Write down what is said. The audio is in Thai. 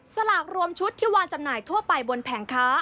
สลากรวมชุดที่วางจำหน่ายทั่วไปบนแผงค้า